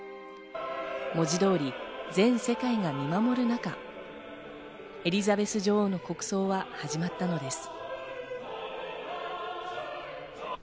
文字通り全世界が見守る中、エリザベス女王の国葬は始まったのです。